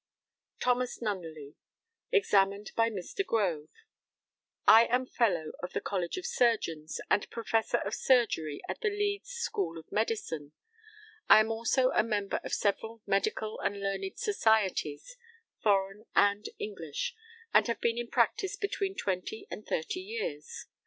THOMAS NUNNELEY, examined by Mr. GROVE: I am Fellow of the College of Surgeons, and Professor of Surgery at the Leeds School of Medicine. I am also a member of several medical and learned societies, foreign and English, and have been in practice between twenty and thirty years.